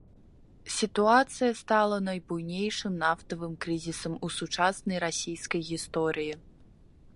Сітуацыя стала найбуйнейшым нафтавым крызісам у сучаснай расійскай гісторыі.